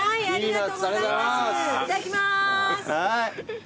いただきます。